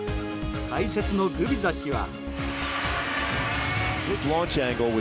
解説のグビザ氏は。